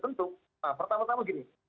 nah pertama tama gini